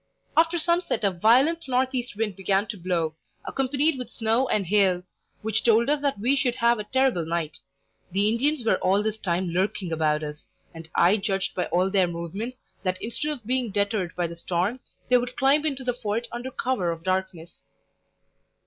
"After sunset a violent north east wind began to blow, accompanied with snow and hail, which told us that we should have a terrible night. The Indians were all this time lurking about us; and I judged by all their movements that, instead of being deterred by the storm, they would climb into the fort under cover of darkness."